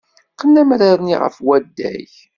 Qqen amrar-nni ɣer waddag.